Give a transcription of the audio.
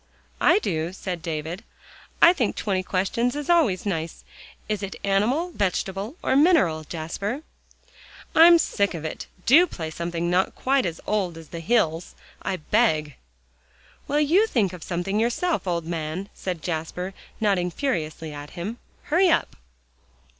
"I do," said David. "I think 'Twenty Questions' is always nice. Is it animal, vegetable or mineral, Jasper?" "I'm sick of it. Do play something not quite as old as the hills, I beg." "Well, you think of something yourself, old man," said Jasper, nodding furiously at him. "Hurry up."